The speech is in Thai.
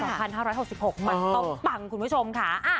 ประสาที๒๕๖๖วันตกปังคุณผู้ชมค่ะ